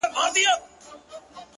زموږه دوو زړونه دي تل د محبت مخته وي،